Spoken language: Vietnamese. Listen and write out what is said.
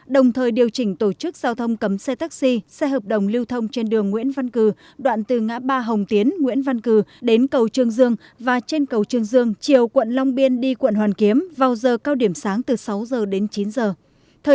đồng thời điều chỉnh tổ chức giao thông cấm xe taxi xe hợp đồng lưu thông trên đường nguyễn văn cử đoạn từ ngã ba hồng tiến nguyễn văn cử đến cầu trương dương và trên cầu trương dương chiều quận long biên đi quận hoàn kiếm vào giờ cao điểm sáng từ sáu giờ đến chín giờ